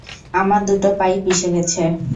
আমার দুটো পা-ই পিষে গেছে।